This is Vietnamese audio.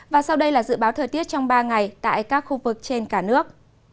và sau đây là dự báo thời tiết trong ba ngày tại các khu vực trên cả nước